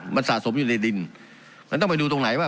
มันสะสมอยู่ในดินมันต้องไปดูตรงไหนว่า